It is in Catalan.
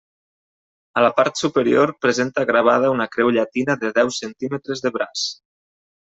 A la part superior presenta gravada una creu llatina de deu centímetres de braç.